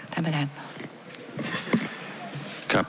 ใช่ครับ